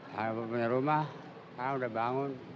kalau punya rumah karena udah bangun